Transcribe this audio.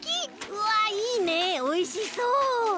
うわっいいねおいしそう！